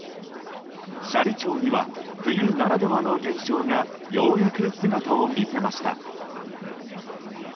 斜里町には、冬ならではの現象がようやく姿を見せました。